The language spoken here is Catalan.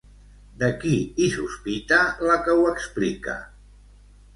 De qui hi sospita la que ho explica?